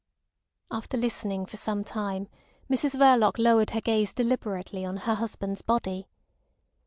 After listening for some time Mrs Verloc lowered her gaze deliberately on her husband's body.